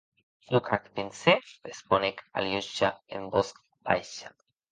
Òc, ac pensè, responec Aliosha en votz baisha.